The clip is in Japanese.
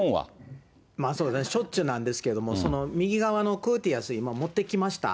そうですね、しょっちゅうなんですけれども、その右側のコーティアーズ、今、持ってきました。